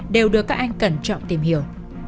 đều được các anh cẩn trọng tìm hiểu